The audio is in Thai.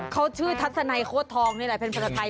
เขาชื่อทัศนัยโค้ดทองนี่แหละเป็นภาษาไทย